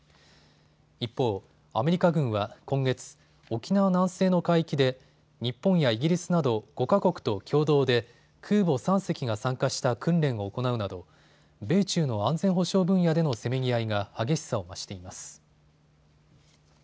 一方、アメリカ軍は今月、沖縄南西の海域で日本やイギリスなど５か国と共同で空母３隻が参加した訓練を行うなど米中の安全保障分野でのせめぎ合いが激しさを増しています。